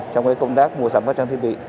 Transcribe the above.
trong công tác mua sắm các trang thiết bị